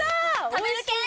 食べる系？